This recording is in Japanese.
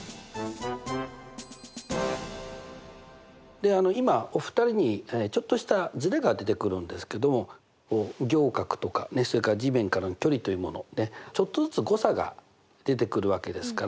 で今お二人にちょっとしたずれが出てくるんですけども仰角とかそれから地面からの距離というものねちょっとずつ誤差が出てくるわけですから。